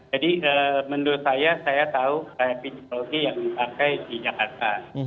jadi menurut saya saya tahu saya epidemiologi yang dipakai di jakarta